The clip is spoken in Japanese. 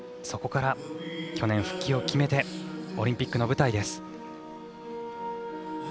そこから去年復帰を決めてオリンピックの舞台です。